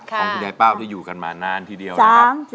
ของคุณยายเป้าที่อยู่กันมานานทีเดียวนะครับ